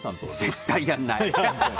絶対やらない。